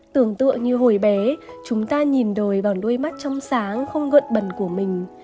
tưởng tượng như hồi bé chúng ta nhìn đời bằng đôi mắt trong sáng không gợn bẩn của mình